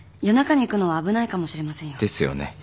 夜中に行くのは危ないかもしれませんよ。ですよね。